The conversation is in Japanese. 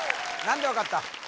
何で分かった？